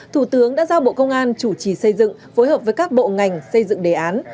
thủ tướng đã giao bộ công an chủ trì xây dựng phối hợp với các bộ ngành xây dựng đề án